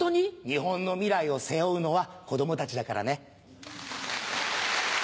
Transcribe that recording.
日本の未来を背負うのは子供たちだからね。